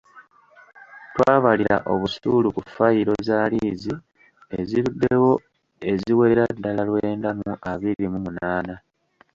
Twabalira obusuulu ku fayiro za liizi eziruddewo eziwerera ddala lwenda mu abiri mu munaana.